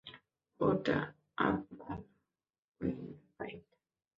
ওটা আপনার উইন্ডপাইপ।